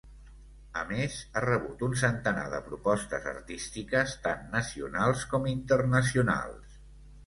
A més, ha rebut un centenar de propostes artístiques tant nacionals com internacionals.